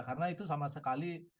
karena itu sama sekali